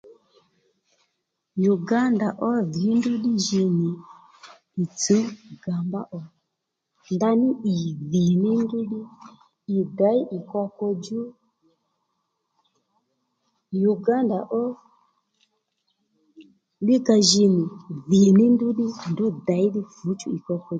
Uganda ó dhì ní ndrǔ ji nì ì tsǔw gàmbá ò ndaní ì dhì ní ndrǔ ddí ì děy ì koko djú Uganda ó ddí ka ji nì dhì ní ndrǔ ddí ndrǔ děy ddí fǔchú ì koko djú